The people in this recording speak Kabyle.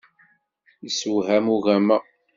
Yessewham ugama.